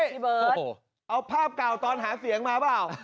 พี่เบิร์ตเอาภาพเก่าตอนหาเสียงมาเปล่า